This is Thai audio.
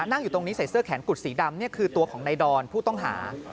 นั่งอยู่ตรงนี้ใส่เสื้อแขนกุดสีดำนี่คือตัวของนายดอนผู้ต้องหา